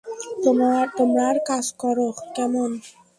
তোমার কাজ করো, কেমন?